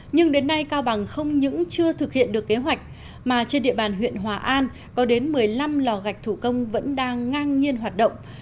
nhưng đến nay cao bằng không những chưa thực hiện được kế hoạch mà trên địa bàn huyện hòa an có đến một mươi năm lò gạch thủ công vẫn đang ngang nhiên hoạt động